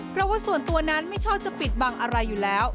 เพราะว่าส่วนตัวนั้นไม่ชอบจะปิดบังอะไรอยู่แล้ว